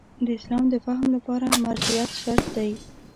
د اسلام د فهم لپاره مرجعیت شرط دی.